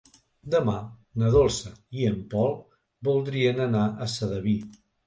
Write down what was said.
Demà na Dolça i en Pol voldrien anar a Sedaví.